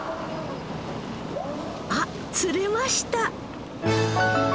あっ釣れました！